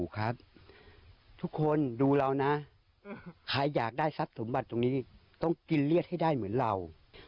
กันน่ากลัว